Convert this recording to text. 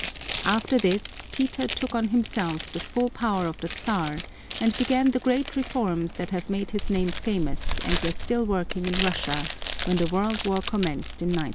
After this Peter took on himself the full power of the Czar and began the great reforms that have made his name famous and were still working in Russia when the World War commenced in 1914.